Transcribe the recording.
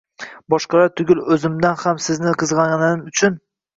Boshqalar tugul, o`zimdan ham sizni qizg`anganim uchun